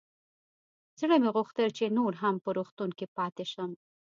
زړه مې غوښتل چې نور هم په روغتون کښې پاته سم.